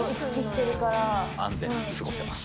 安全に過ごせます。